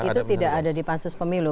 itu tidak ada di pansus pemilu